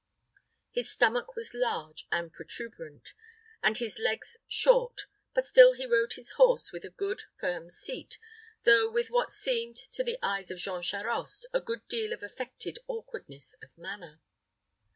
His stomach was large and protuberant, and his legs short; but still he rode his horse with a good, firm seat, though with what seemed to the eyes of Jean Charost a good deal of affected awkwardness of manner.